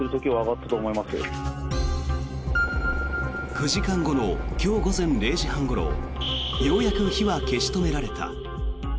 ９時間後の今日午前０時半ごろようやく火は消し止められた。